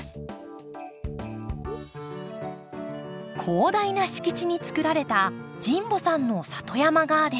広大な敷地に作られた神保さんの里山ガーデン。